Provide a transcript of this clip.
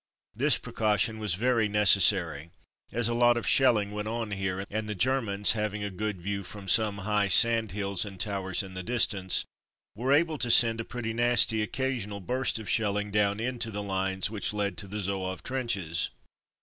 This precaution was very neces sary, as a lot of shelling went on here, and the Germans, having a good view from some A Wonderful Tunnel 179 high sand hills and towers in the distance, were able to send a pretty nasty occasional burst of shelling down into the lines which led to the Zouave trenches.